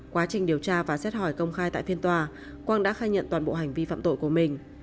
quá trình điều tra và xét hỏi công khai tại phiên tòa quang đã khai nhận toàn bộ hành vi phạm tội của mình